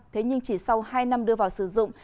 thế nhưng chỉ sau hai năm đưa vào sử dụng